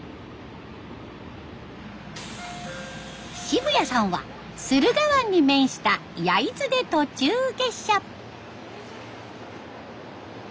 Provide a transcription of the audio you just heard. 渋谷さんは駿河湾に面した焼津で途中下車。